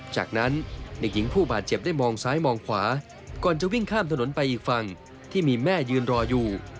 จากนั้นเด็กหญิงผู้บาดเจ็บได้มองซ้ายมองขวาก่อนจะวิ่งข้ามถนนไปอีกฝั่งที่มีแม่ยืนรออยู่